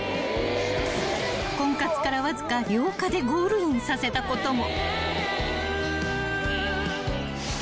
［婚活からわずか８日でゴールインさせたことも］